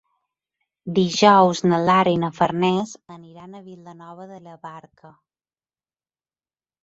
Dijous na Lara i na Farners aniran a Vilanova de la Barca.